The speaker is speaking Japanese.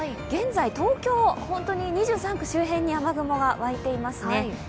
現在東京、本当に２３区周辺に雨雲がわいていますね